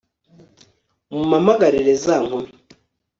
mumpamagarire za nkumi